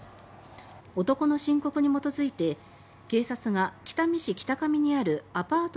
男の申告に基づいて警察が北見市北上にあるアパート